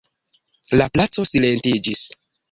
La placo silentiĝis.